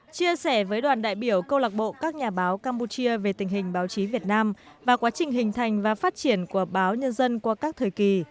chia sẻ với đoàn đại biểu câu lạc bộ các nhà báo campuchia về tình hình báo chí việt nam và quá trình hình thành và phát triển của báo nhân dân qua các thời kỳ